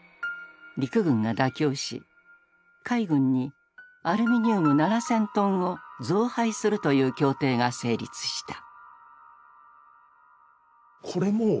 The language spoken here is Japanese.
陸軍が妥協し海軍にアルミニウム７０００トンを増配するという協定が成立した。